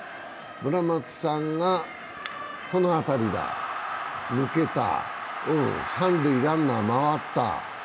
村松さんがこの当たりだ抜けた、三塁ランナー回った。